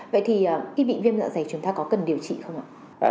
vậy thì khi bị viêm dạ dày chúng ta có cần điều trị không ạ